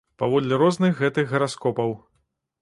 Паводле розных гэтых гараскопаў.